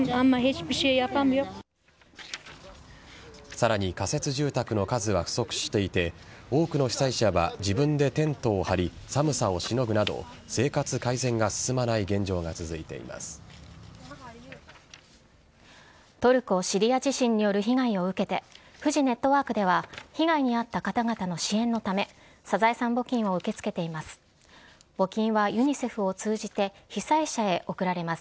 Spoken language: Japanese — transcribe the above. さらに仮設住宅の数は不足していて多くの被災者は自分でテントを張り寒さをしのぐなど生活改善が進まない現状がトルコ・シリア地震による被害を受けてフジネットワークでは被害に遭った方々の支援のためサザエさん募金を受け付けています。